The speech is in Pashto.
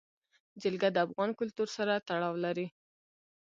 جلګه د افغان کلتور سره تړاو لري.